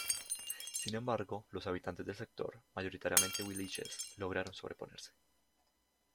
Sin embargo, los habitantes del sector, mayoritariamente huilliches, lograron sobreponerse.